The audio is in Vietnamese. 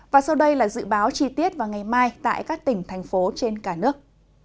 và sau đây là dự báo chi tiết vào ngày mai tại các tỉnh thành phố trên cả nước